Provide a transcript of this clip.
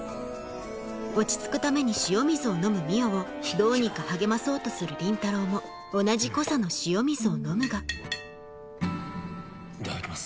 落ち着くために塩水を飲む海音をどうにか励まそうとする倫太郎も同じ濃さの塩水を飲むがいただきます。